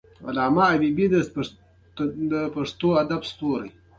علامه حبيبي د سیمې د تمدنونو تحلیل کړی دی.